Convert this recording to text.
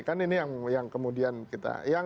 kan ini yang kemudian kita yang